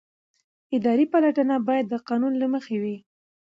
اداري پلټنه باید د قانون له مخې وي.